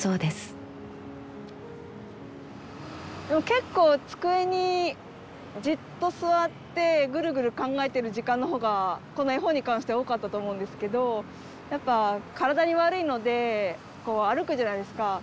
結構机にじっと座ってぐるぐる考えてる時間の方がこの絵本に関しては多かったと思うんですけどやっぱ体に悪いのでこう歩くじゃないですか。